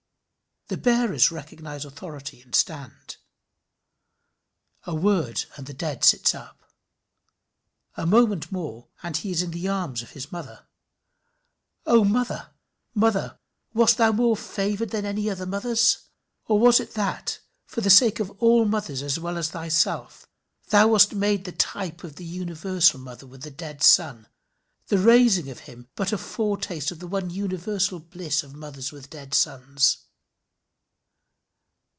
The bearers recognize authority, and stand. A word, and the dead sits up. A moment more, and he is in the arms of his mother. O mother! mother! wast thou more favoured than other mothers? Or was it that, for the sake of all mothers as well as thyself, thou wast made the type of the universal mother with the dead son the raising of him but a foretaste of the one universal bliss of mothers with dead sons?